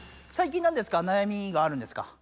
最近なんですか悩みがあるんですか？